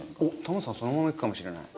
タモリさんそのままいくかもしれない。